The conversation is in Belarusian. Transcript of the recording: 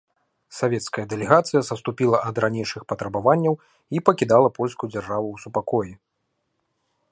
Савецкая дэлегацыя саступіла ад ранейшых патрабаванняў і пакідала польскую дзяржаву ў супакоі.